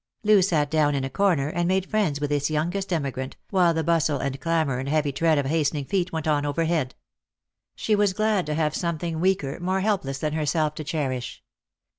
Loo sat down in a corner, and made friends with this youngest emigrant, while the bustle and clamour and heavy tread of hastening feet went on over head. She was glad to have some thing weaker, more helpless than herself to cherish.